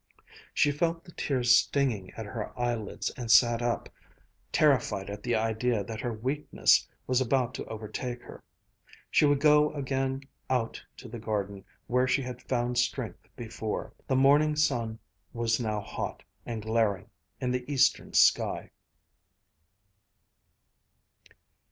She felt the tears stinging at her eyelids and sat up, terrified at the idea that her weakness was about to overtake her. She would go again out to the garden where she had found strength before. The morning sun was now hot and glaring in the eastern sky.